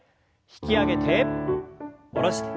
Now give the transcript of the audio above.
引き上げて下ろして。